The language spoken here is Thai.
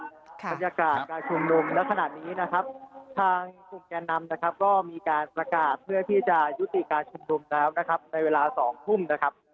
บรรยากาศการชุมนุมในขณะนี้นะครับทางกลุ่มแก่นำนะครับก็มีการประกาศเพื่อที่จะยุติการชุมนุมแล้วนะครับในเวลา๒ทุ่มนะครับ